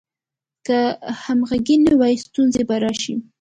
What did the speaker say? که همغږي نه وي، ستونزې به راشي.